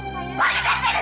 pergi dari sini